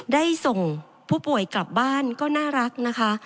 ได้ส่งผู้ป่วยกลับบ้านก็น่ารักนะคะ